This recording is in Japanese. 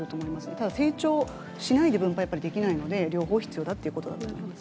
ただ、成長しないで、分配やっぱりできないので、両方必要だということだと思います。